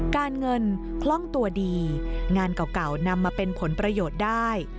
การเงินคล่องตัวดีงานเก่านำมาเป็นผลประโยชน์ได้